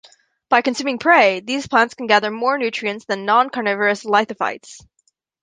By consuming prey, these plants can gather more nutrients than non-carnivorous lithophtytes.